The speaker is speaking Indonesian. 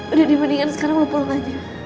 udah di mendingan sekarang lo pulang aja